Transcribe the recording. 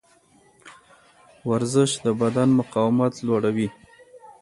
ورزش د بدن مقاومت لوړوي.